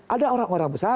ada orang orang besar